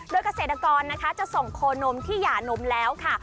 โดยเกษตรกรนะคะจะส่งโคนมที่หย่านมแล้วค่ะ